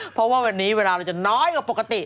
เพราะว่าวันนี้เวลาเราจะน้อยกว่าปกติ